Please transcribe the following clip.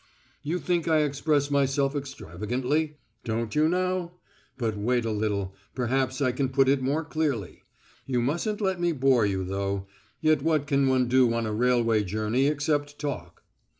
You think I express myself extravagantly? Don't you now? But wait a little; perhaps I can put it more clearly. You musn't let me bore you, though.... Yet what can one do on a railway journey except talk?